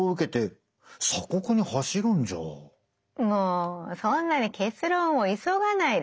もうそんなに結論を急がないで。